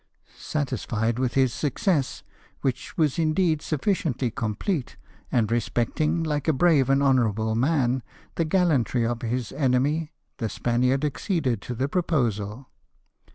Satisfied with his success, which was indeed sufficiently complete, and respecting, like a brave and honourable man, the gallantry of his enemy, the Spaniard acceded to the proposal.